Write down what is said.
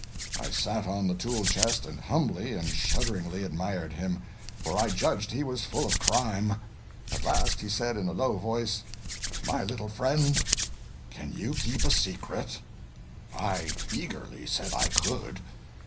I sat on the tool chest and humbly and shudderingly admired him; for I judged he was full of crime. At last he said in a low voice 'My little friend, can you keep a secret?' I eagerly said I could.